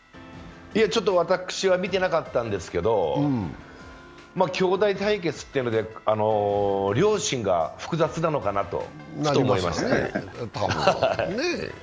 私は見てなかったんですけどきょうだい対決というので、両親が複雑なのかなとふと思いましたね。